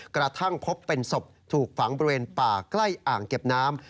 กระทั่งพบเป็นศพถูกฝังบริเวณป่าใกล้อ่างเก็บน้ำ